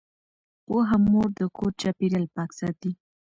پوهه مور د کور چاپیریال پاک ساتي۔